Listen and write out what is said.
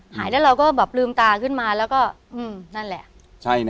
หายแล้วเราก็แบบลืมตาขึ้นมาแล้วก็นั่นแหละ